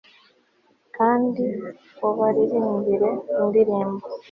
Kandi ubaririmbire indirimbo